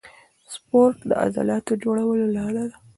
سپورت د عضلاتو جوړولو لاره ده.